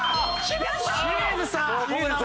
清水さん！